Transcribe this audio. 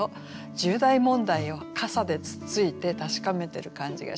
重大問題を傘でつっついて確かめてる感じがしませんか？